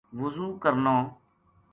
وضو کرنو